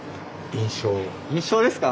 印象ですか？